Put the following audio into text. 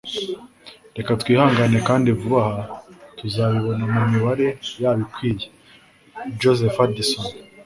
reka twihangane kandi vuba aha tuzabibona mumibare yabo ikwiye. - joseph addison